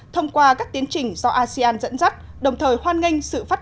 thông qua các tiến trình do asean dẫn dắt